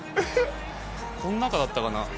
こん中だったかな。